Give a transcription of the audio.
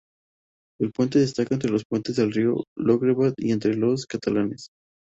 El puente destaca entre los puentes del río Llobregat y entre los catalanes.